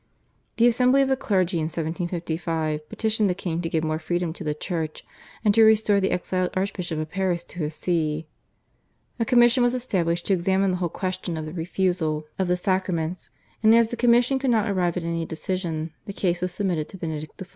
The Assembly of the Clergy in 1755 petitioned the king to give more freedom to the Church, and to restore the exiled Archbishop of Paris to his See. A commission was established to examine the whole question of the refusal of the sacraments, and as the Commission could not arrive at any decision, the case was submitted to Benedict XIV.